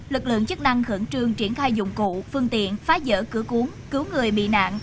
lực lượng chức năng khẩn trương triển khai dụng cụ phương tiện phá dỡ cửa cuốn cứu người bị nạn